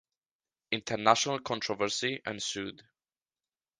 International controversy ensued.